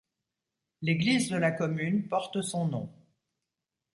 L'église de la commune porte son nom.